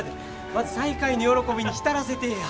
まず再会の喜びに浸らせてえや。